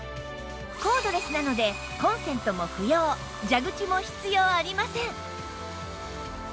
コードレスなのでコンセントも不要蛇口も必要ありません